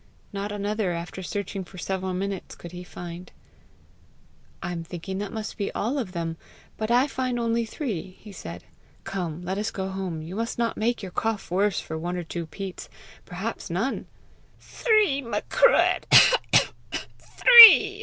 Not another, after searching for several minutes, could he find. "I'm thinking that must be all of them, but I find only three!" he said. "Come, let us go home! You must not make your cough worse for one or two peats, perhaps none!" "Three, Macruadh, three!"